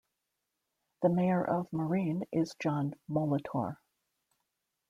The mayor of Marine is John Molitor.